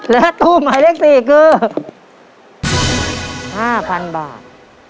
และตู้หมายเลข๔คือ๕๐๐๐บาท